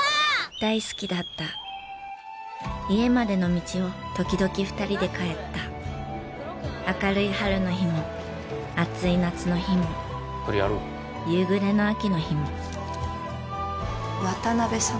大好きだった家までの道を時々２人で帰った明るい春の日も暑い夏の日も夕暮れの秋の日も渡辺さん？